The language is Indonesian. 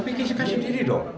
tapi kita sekat sendiri dong